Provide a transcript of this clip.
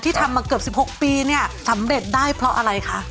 ทำมาเกือบ๑๖ปีเนี่ยสำเร็จได้เพราะอะไรคะ